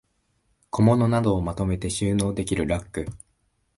小物などをまとめて収納できるラック